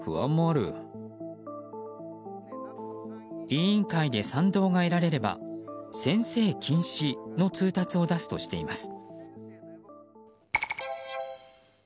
委員会で賛同が得られれば先生禁止の通達を出すとしています。